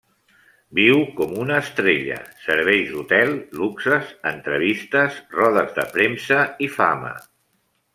Viu com una estrella, serveis d'hotel, luxes, entrevistes, rodes de premsa i fama.